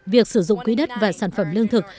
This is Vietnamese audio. việc sử dụng quỹ đất và sản phẩm lương thực